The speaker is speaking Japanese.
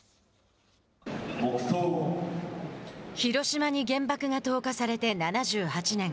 広島に原爆が投下されて７８年。